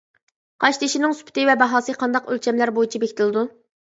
قاشتېشىنىڭ سۈپىتى ۋە باھاسى قانداق ئۆلچەملەر بويىچە بېكىتىلىدۇ?